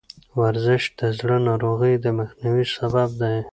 ورزش د زړه ناروغیو د مخنیوي سبب دی.